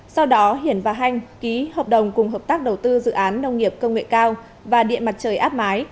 sau đó hiển và hanh ký hợp đồng cùng hợp tác đầu tư dự án nông nghiệp công nghệ cao và điện mặt trời áp mái